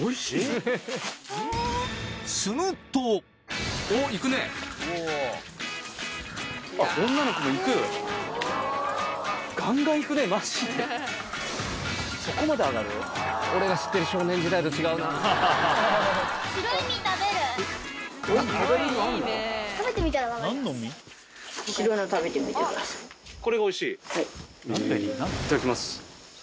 へいただきます。